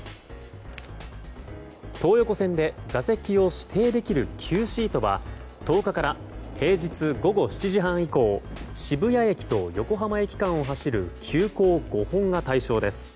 東横線で座席を指定できるＱＳＥＡＴは１０日から平日午後７時半以降渋谷駅と横浜駅間を走る急行５本が対象です。